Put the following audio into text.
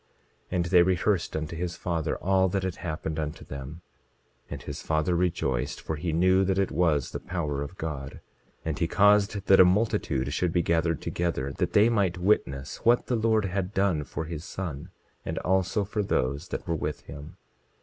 27:20 And they rehearsed unto his father all that had happened unto them; and his father rejoiced, for he knew that it was the power of God. 27:21 And he caused that a multitude should be gathered together that they might witness what the Lord had done for his son, and also for those that were with him.